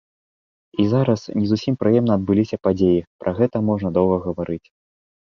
І зараз не зусім прыемныя адбыліся падзеі, пра гэта можна доўга гаварыць.